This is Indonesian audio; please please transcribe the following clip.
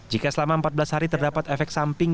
jika selama empat belas hari terdapat efek samping